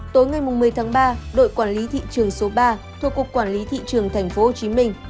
tối ngày một mươi tháng ba đội quản lý thị trường số ba thuộc cục quản lý thị trường thành phố hồ chí minh